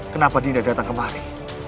kenapa dinda datang kemari